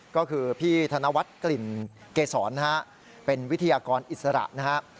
ก็คือพี่ธนวัฒน์กลิ่นเกษรนะฮะเป็นวิทยากรอิสระนะฮะ